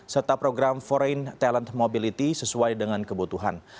serta program foreign talent mobility sesuai dengan kebutuhan